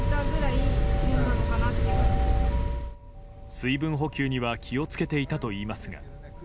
水分補給には気を付けていたといいますが。